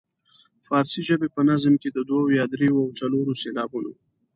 فارسي ژبې په نظم کې د دوو یا دریو او څلورو سېلابونو.